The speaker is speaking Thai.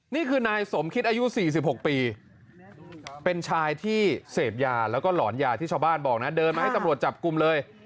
นี่คือนายสมคิดอายุ๔๖ปีเป็นชายที่เสพยาแล้วก็หลอนยาที่ชาวบ้านบอกนะเดินมาให้ตำรวจจับกลุ่มเลย